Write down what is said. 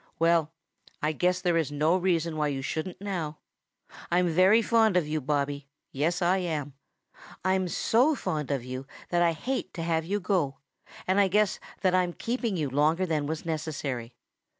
Well, I guess there is no reason why you shouldn't now. I'm very fond of you, Bobby. Yes, I am. I'm so fond of you that I hate to have you go, and I guess that I've kept you longer than was necessary.